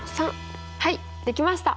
はいできました！